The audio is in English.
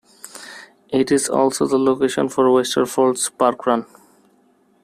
It is also the location for Westerfolds parkrun.